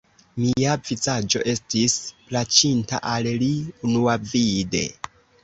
Mia vizaĝo estis plaĉinta al li unuavide.